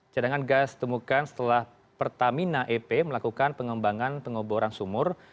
cadangan gas ditemukan setelah pertamina ep melakukan pengembangan pengoboran sumur